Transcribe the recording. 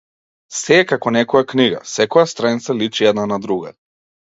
Сѐ е како некоја книга, секоја страница личи една на друга.